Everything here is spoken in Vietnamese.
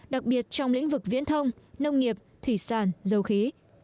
đặc biệt trong lĩnh vực viễn thông nông nghiệp thủy sản dầu khí